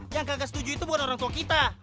yang kagak setuju itu bukan orang tua kita